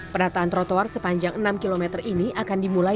penataan trotoar sepanjang enam km ini akan dimulai